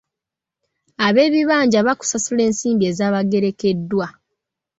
Ab'ebibanja baakusasula ensimbi ezaabagerekeddwa.